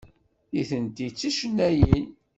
Nitenti d ticennayin.